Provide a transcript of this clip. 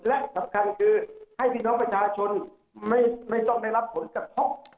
และสำคัญคือให้พี่น้องประชาชนไม่ต้องได้รับผลกระทบ